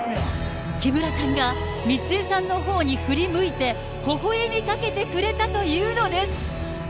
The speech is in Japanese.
木村さんが美津江さんのほうに振り向いて、微笑みかけてくれたというのです。